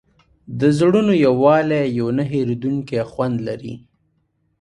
د زړونو یووالی یو نه هېرېدونکی خوند لري.